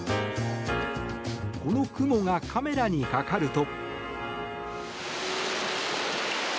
この雲が、カメラにかかると。